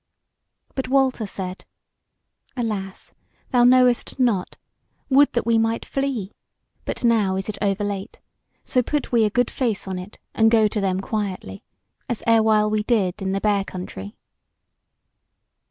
But Walter said: "Alas! thou knowest not: would that we might flee! But now is it over late; so put we a good face on it, and go to them quietly, as erewhile we did in the Bear country."